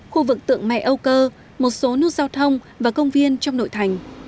khu vực tượng mẹ âu cơ một số nút giao thông và công viên trong nội thành